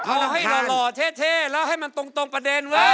ผมอยากให้เหล่าน่ารอเท่แล้วให้มันตรงประเด็นไว้